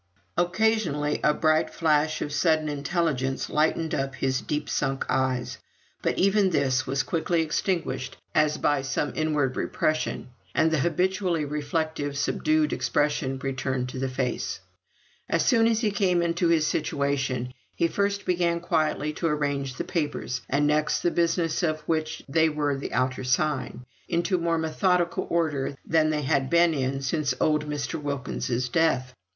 Occasionally a bright flash of sudden intelligence lightened up his deep sunk eyes, but even this was quickly extinguished as by some inward repression, and the habitually reflective, subdued expression returned to the face. As soon as he came into his situation, he first began quietly to arrange the papers, and next the business of which they were the outer sign, into more methodical order than they had been in since old Mr. Wilkins's death.